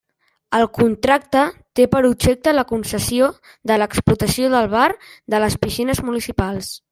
El contracte té per objecte la concessió de l'explotació del bar de les piscines municipals.